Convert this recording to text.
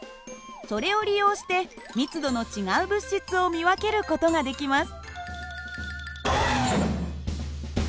それを利用して密度の違う物質を見分ける事ができます。